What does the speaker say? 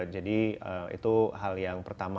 jadi itu hal yang pertama